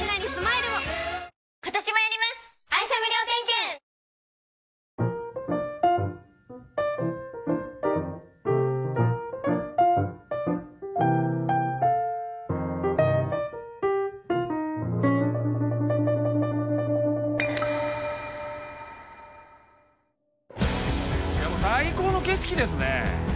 いやもう最高の景色ですね。